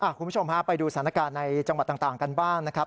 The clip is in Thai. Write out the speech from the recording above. คุณผู้ชมฮะไปดูสถานการณ์ในจังหวัดต่างกันบ้างนะครับ